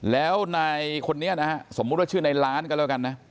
แล้วนายคนนี้นะฮะสมมุติว่าชื่อในล้านก็แล้วกันนะ